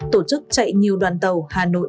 tổ chức chạy nhiều đoàn tàu hà nội